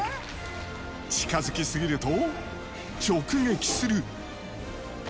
近づきすぎると直撃する。